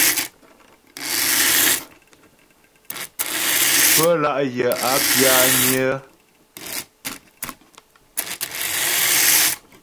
Pfə́lá' yə̀ a pyányə́.